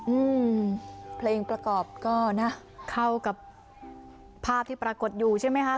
อืมเพลงประกอบก็นะเข้ากับภาพที่ปรากฏอยู่ใช่ไหมคะ